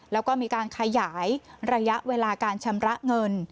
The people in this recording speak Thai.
แล้วก็มีการขยายระยะเวลาการชำระเงิน